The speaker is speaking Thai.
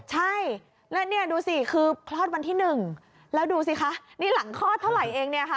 ใช่แล้วเนี่ยดูสิคือคลอดวันที่๑แล้วดูสิคะนี่หลังคลอดเท่าไหร่เองเนี่ยค่ะ